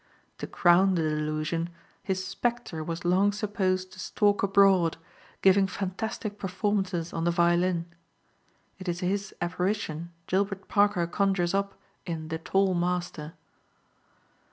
To crown the delusion, his spectre was long supposed to stalk abroad, giving fantastic performances on the violin. It is his apparition Gilbert Parker conjures up in "The Tall Master."